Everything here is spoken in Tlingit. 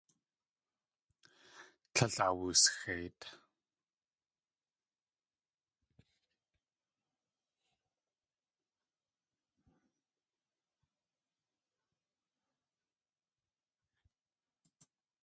Tlél awusxeit.